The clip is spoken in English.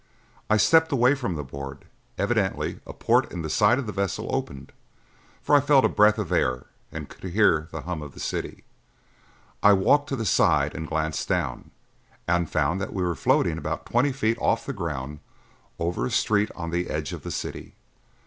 I stepped away from the board; evidently a port in the side of the vessel opened, for I felt a breath of air and could hear the hum of the city. I walked to the side and glanced down, and found that we were floating about twenty feet off the ground over a street on the edge of the city.